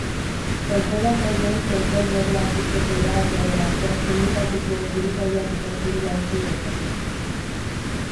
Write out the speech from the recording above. Kontrolatzaileek kontrol-dorreak uzteko erabakiaren atzean sindikatuko buruzagiak izan zirela uste du epaileak.